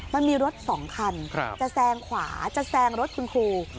มันมีรถ๒คันจะแซงขวาจะแซงรถคุณครู